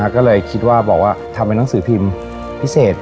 ก็เลยคิดว่าบอกว่าทำเป็นหนังสือพิมพ์พิเศษ